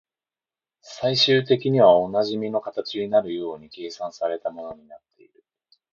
最終的にはおなじみの形になるように計算された物になっている